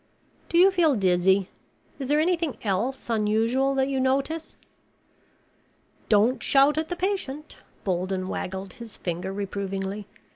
"Do you feel dizzy? Is there anything else unusual that you notice?" "Don't shout at the patient." Bolden waggled his finger reprovingly.